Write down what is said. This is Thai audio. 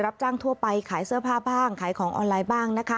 รับจ้างทั่วไปขายเสื้อผ้าบ้างขายของออนไลน์บ้างนะคะ